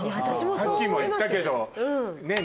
さっきも言ったけど。